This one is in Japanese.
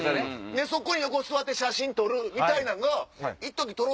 そこの横座って写真撮るみたいなんがいっときとろ